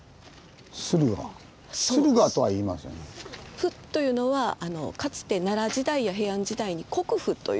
「府」というのはかつて奈良時代や平安時代に「国府」という。